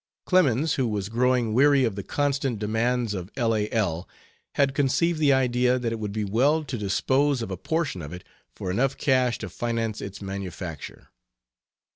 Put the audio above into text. Clemens, who was growing weary of the constant demands of L. A. L., had conceived the idea that it would be well to dispose of a portion of it for enough cash to finance its manufacture.